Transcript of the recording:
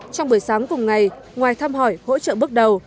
trong buổi sáng cùng ngày ngoài thăm hỏi hỗ trợ bước đầu